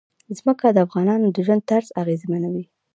ځمکه د افغانانو د ژوند طرز اغېزمنوي.